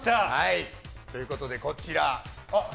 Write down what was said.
ということでこちら。